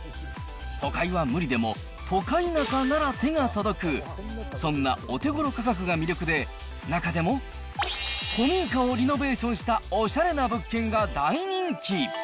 都会は無理でも、トカイナカなら手が届く、そんなお手ごろ価格が魅力で、中でも古民家をリノベーションしたおしゃれな物件が大人気。